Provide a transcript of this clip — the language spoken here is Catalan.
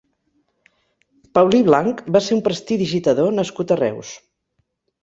Paulí Blanch va ser un prestidigitador nascut a Reus.